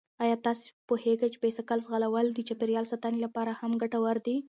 آیا تاسو پوهېږئ چې بايسکل ځغلول د چاپېریال ساتنې لپاره هم ګټور دي؟